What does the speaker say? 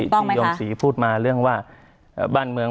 อายุที่ทิโยงศรีพูดมาเรื่องบ้านเมือง